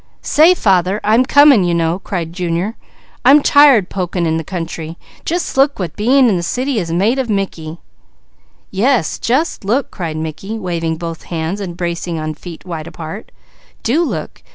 "Say father, I'm coming you know," cried Junior. "I'm tired poking in the country. Just look what being in the city has made of Mickey." "Yes, just look!" cried Mickey, waving both hands and bracing on feet wide apart. "Do look!